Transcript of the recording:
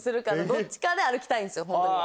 どっちかで歩きたいんですよ。